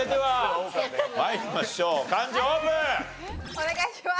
お願いします。